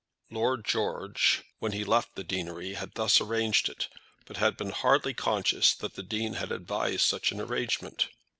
Lord George, when he left the deanery, had thus arranged it, but had been hardly conscious that the Dean had advised such an arrangement.